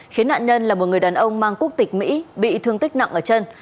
khiến nạn nhân là một người đàn ông mang quốc tịch mỹ bị thương tích nặng ở chân